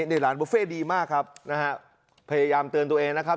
นี่หลานบุฟเฟ่ดีมากครับนะฮะพยายามเตือนตัวเองนะครับ